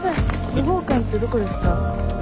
５号館ってどこですか？